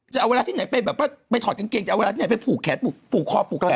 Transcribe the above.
จะเอาเวลาที่ไหนไปแบบว่าไปถอดกางเกงจะเอาเวลาที่ไหนไปผูกแขนผูกคอผูกแขน